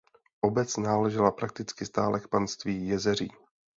Obec náležela prakticky stále k panství Jezeří.